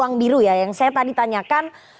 ruang biru ya yang saya tadi tanyakan